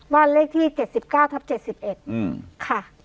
บ้านเลขที่๗๙ทับ๗๑ค่ะ